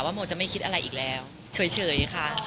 โมจะไม่คิดอะไรอีกแล้วเฉยค่ะ